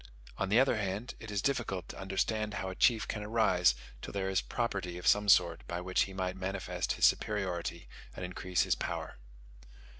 On the other hand, it is difficult to understand how a chief can arise till there is property of some sort by which he might manifest his superiority and increase his power.